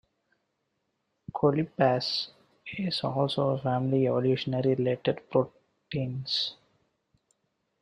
Colipase is also a family of evolutionarily related proteins.